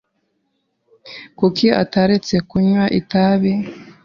Kuki ataretse kunywa itabi?